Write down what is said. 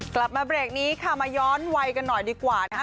กลับมาเบรกนี้ค่ะมาย้อนวัยกันหน่อยดีกว่านะคะ